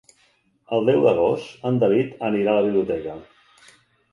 El deu d'agost en David anirà a la biblioteca.